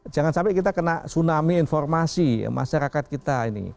jangan sampai kita kena tsunami informasi masyarakat kita ini